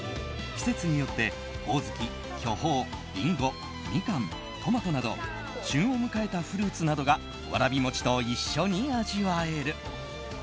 季節によって、ほおずき、巨峰リンゴ、ミカン、トマトなど旬を迎えたフルーツなどがわらび餅と一緒に味わえる。